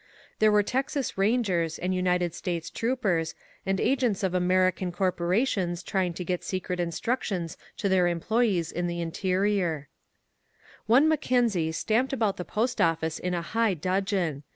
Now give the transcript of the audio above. There were Texas rangers, and United States troopers, and agents of American corporations trying to get secret instructions to their employees in the interior. 6 INSURGENT MEXICO One MacKenzie stamped about the Post Office in a high dudgeon.